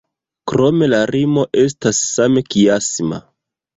Krome la rimo estas same kiasma.